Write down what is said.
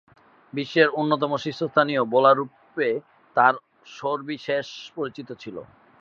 বিশ্বের অন্যতম শীর্ষস্থানীয় বোলাররূপে তার সবিশেষ পরিচিতি ছিল।